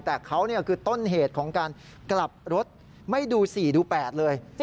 แต่เขาคือต้นเหตุของการกลับรถไม่ดู๔ดู๘เลย